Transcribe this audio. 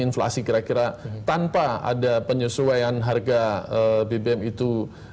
inflasi kira kira tanpa ada penyesuaian harga bbm itu